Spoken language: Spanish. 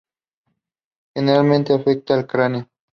Generalmente afecta al cráneo.